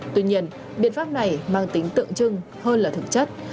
tuy nhiên biện pháp này mang tính tượng trưng hơn là thực chất